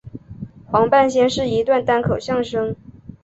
黄半仙是一段单口相声。